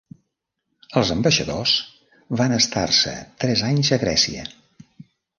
Els ambaixadors van estar-se tres anys a Grècia.